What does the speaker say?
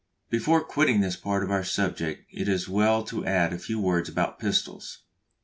Before quitting this part of our subject it is as well to add a few words about pistols.